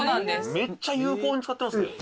めっちゃ有効に使ってますね。